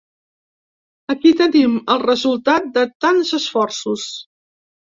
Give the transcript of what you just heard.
Aquí tenim el resultat de tants esforços!